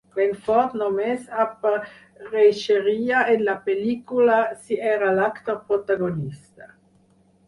Glenn Ford només apareixeria en la pel·lícula si era l'actor protagonista.